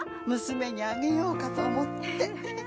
娘にあげようかと思って